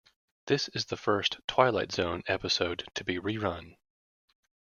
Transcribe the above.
This is the first "Twilight Zone" episode to be rerun.